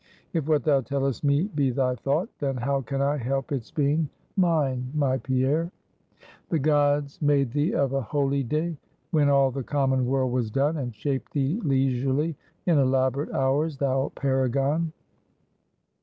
If what thou tellest me be thy thought, then how can I help its being mine, my Pierre?" "The gods made thee of a holyday, when all the common world was done, and shaped thee leisurely in elaborate hours, thou paragon!"